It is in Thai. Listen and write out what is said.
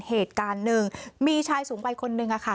เหตุการณ์หนึ่งมีชายสูงวัยคนนึงค่ะ